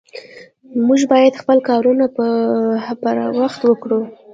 مونږ بايد خپل کارونه پر وخت وکړو